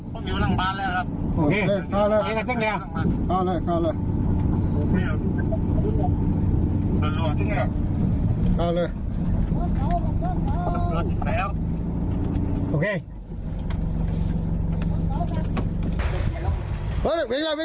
พวกมีวนั่งบ้านแล้วครับโอเคข้าวเลยข้าวเลยข้าวเลยข้าวเลย